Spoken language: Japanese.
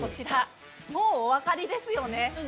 もうお分かりですよね。